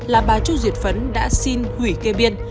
là bà chu duyệt phấn đã xin hủy kê biên